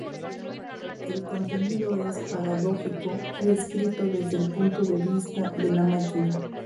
El contenido es paradójico y escrito desde el punto de vista de la máquina.